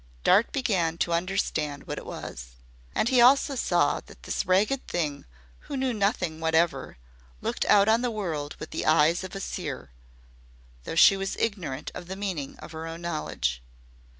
Dart began to understand that it was. And he also saw that this ragged thing who knew nothing whatever, looked out on the world with the eyes of a seer, though she was ignorant of the meaning of her own knowledge.